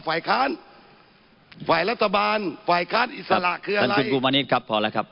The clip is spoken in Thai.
ฝ่ายค้านฝ่ายรัฐบาลฝ่ายค้านอิสระคืออะไรครับพอแล้วครับ